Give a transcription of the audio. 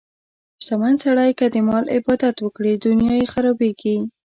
شتمن سړی که د مال عبادت وکړي، دنیا یې خرابېږي.